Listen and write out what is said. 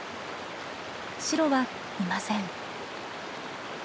シロはいません。